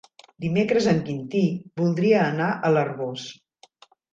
Dimecres en Quintí voldria anar a l'Arboç.